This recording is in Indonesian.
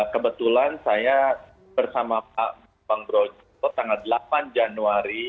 kebetulan saya bersama pak bang brojo tanggal delapan januari